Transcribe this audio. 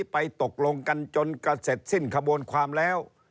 ตกลงกันจนกระเสร็จสิ้นขบวนความแล้ว